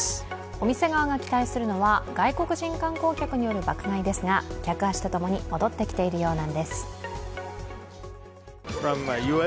お店側が期待するのは外国人観光客による爆買いですが客足とともに戻ってきてるようなんです。